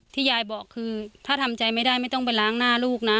ยายบอกคือถ้าทำใจไม่ได้ไม่ต้องไปล้างหน้าลูกนะ